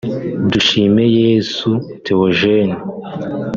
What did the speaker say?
Dushimeyesu Theogenie